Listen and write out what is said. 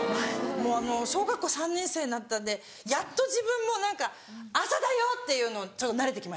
小学校３年生になったんでやっと自分も何か「朝だよ！」って言うの慣れてきましたね。